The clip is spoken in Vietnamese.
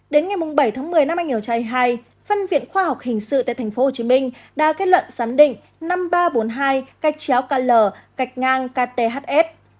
đến ngày bảy tháng một mươi năm hai nghìn hai mươi hai phân viện khoa học hình sự tại tp hcm đã kết luận giám định năm nghìn ba trăm bốn mươi hai cách chéo kl gạch ngang kts